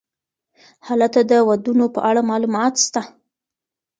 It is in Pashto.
هلته د ودونو په اړه معلومات سته.